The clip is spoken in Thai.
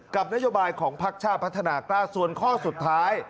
นโยบายของพักชาติพัฒนากล้าส่วนข้อสุดท้าย